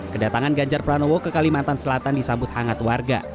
kedatangan ganjar pranowo ke kalimantan selatan disambut hangat warga